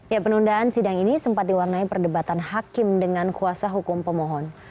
ya penundaan sidang ini sempat diwarnai perdebatan hakim dengan kuasa hukum pemohon